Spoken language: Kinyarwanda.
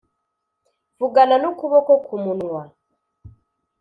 vugana n'ukuboko ku munwa.